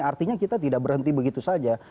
artinya kita tidak berhenti begitu saja